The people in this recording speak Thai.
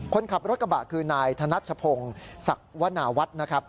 คนขับรถกระบะคือนายธนัชพงศ์สักวนาวัฒน์